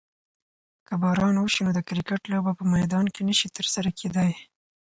که باران وشي نو د کرکټ لوبه په میدان کې نشي ترسره کیدی.